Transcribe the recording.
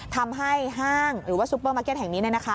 ห้างหรือว่าซูเปอร์มาร์เก็ตแห่งนี้